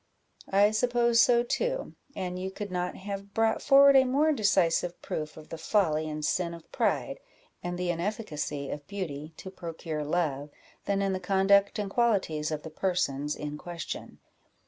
"I suppose so too, and you could not have brought forward a more decisive proof of the folly and sin of pride, and the inefficacy of beauty to procure love, than in the conduct and qualities of the persons in question.